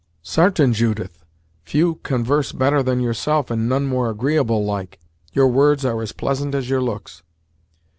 "Sartain, Judith; few convarse better than yourself, and none more agreeable, like. Your words are as pleasant as your looks."